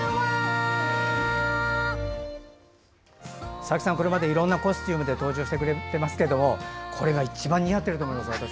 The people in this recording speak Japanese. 佐々木さん、これまでいろんなコスチュームで登場してくれてますけどこれが一番似合ってると思います。